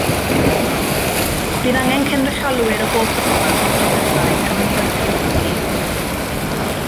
Bydd angen cynrychiolwyr o bob dosbarth wrth y byrddau er mwyn gwerthu'r cwcis.